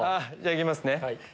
いきますね。